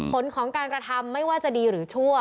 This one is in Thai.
ผลของการกระทำไม่ว่าจะดีหรือชั่ว